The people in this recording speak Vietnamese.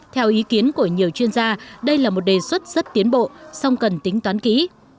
theo ý kiến của nhiều chuyên gia đây là một đề xuất rất tiến bộ song cần tính toán kỹ